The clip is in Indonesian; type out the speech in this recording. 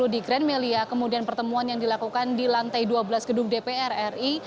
di grand melia kemudian pertemuan yang dilakukan di lantai dua belas gedung dpr ri